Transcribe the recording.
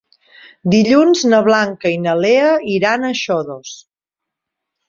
Dilluns na Blanca i na Lea iran a Xodos.